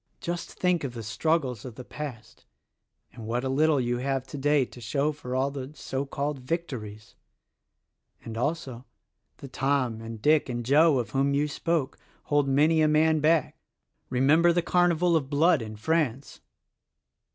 Just think of the struggles of the past and what a little you have today to show for all the so called victories! And also, the Tom and Dick and Joe of whom you spoke, hold many a man back. Remember the carnival of blood in France!"